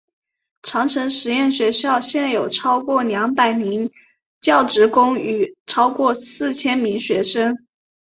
长城实验学校现有超过两百名教职工与超过四千名学生。